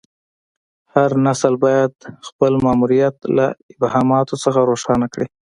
هر نسل باید خپل ماموریت له ابهاماتو څخه روښانه کړي.